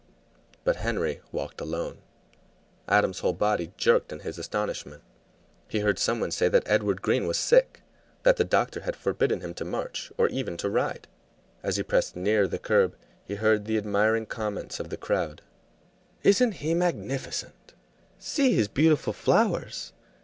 But Henry walked alone. Adam's whole body jerked in his astonishment. He heard some one say that Edward Green was sick, that the doctor had forbidden him to march, or even to ride. As he pressed nearer the curb he heard the admiring comments of the crowd. "Isn't he magnificent!" "See his beautiful flowers!